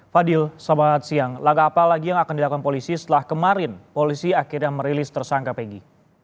fadil selamat siang laga apa lagi yang akan dilakukan polisi setelah kemarin polisi akhirnya merilis tersangka peggy